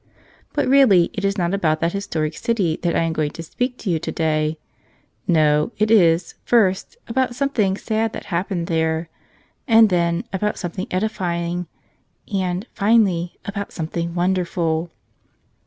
But, really, it is not about that historic city that I am going to speak to you today; no, it is, first, about something sad that happened there, and, then, about something edifying, and, finally, about something wonderful.